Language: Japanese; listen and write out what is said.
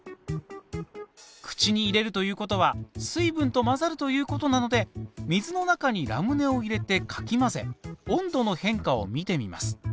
口に入れるということは水分と混ざるということなので水の中にラムネを入れてかき混ぜ温度の変化を見てみます。